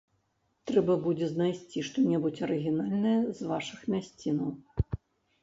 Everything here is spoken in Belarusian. Трэба будзе знайсці што-небудзь арыгінальнае з вашых мясцінаў.